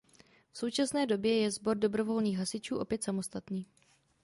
V současné době je sbor dobrovolných hasičů opět samostatný.